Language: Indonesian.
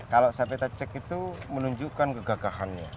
kalau sapi tacek itu menunjukkan kegagahannya